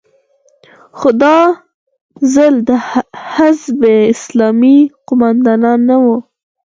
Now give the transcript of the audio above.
خو دا ځل د حزب اسلامي قومندانان نه وو.